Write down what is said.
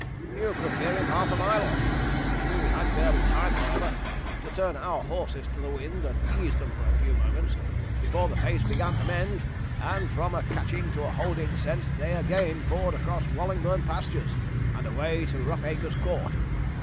You could hear him half a mile off. We had barely time, however, to turn our horses to the wind, and ease them for a few moments, before the pace began to mend, and from a catching to a holding scent they again poured across Wallingburn pastures, and away to Roughacres Court.